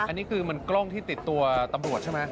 อันนี้คือมันกล้องที่ติดตัวตำรวจใช่ไหม